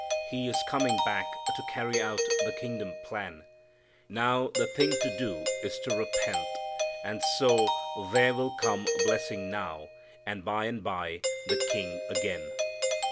He is coming back to carry out the kingdom plan. Now the thing to do is to repent, and so there will come blessing now, and by and by the King again.